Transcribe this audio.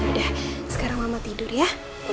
udah sekarang mama tidur ya